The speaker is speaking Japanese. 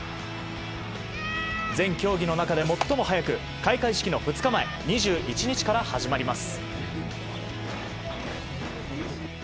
全競技の中で最も早く開会式の２日前２１日から始まります。